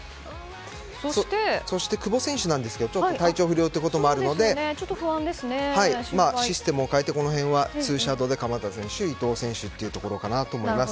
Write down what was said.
そして、久保選手ですがちょっと体調不良ということもあるのでシステムを変えて２シャドーで鎌田選手伊東選手っていうところかなと思います。